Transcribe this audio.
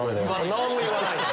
何も言わない。